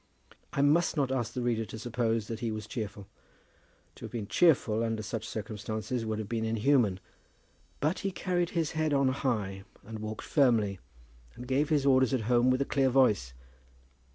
I must not ask the reader to suppose that he was cheerful. To have been cheerful under such circumstances would have been inhuman. But he carried his head on high, and walked firmly, and gave his orders at home with a clear voice.